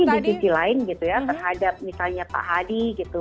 tapi di sisi lain gitu ya terhadap misalnya pak hadi gitu